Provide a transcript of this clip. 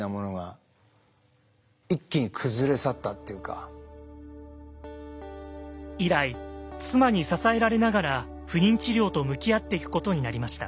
医師の診断は以来妻に支えられながら不妊治療と向き合っていくことになりました。